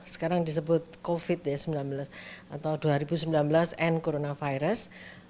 sekarang disebut covid ya sembilan belas atau dua ribu sembilan belas n coronavirus